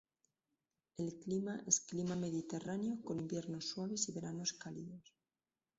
El clima es clima mediterráneo, con inviernos suaves y veranos cálidos.